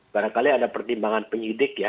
barangkali ada pertimbangan penyidik ya